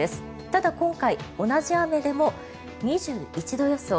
ただ、今回同じ雨でも２１度予想。